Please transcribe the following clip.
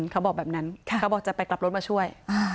เขาบอกแบบนั้นเขาบอกจะไปกลับรถมาช่วย